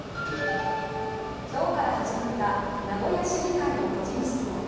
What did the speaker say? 今日から始まった名古屋市議会の個人質問。